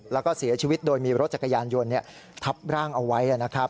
แล้วก็เสียชีวิตโดยมีรถจักรยานยนต์ทับร่างเอาไว้นะครับ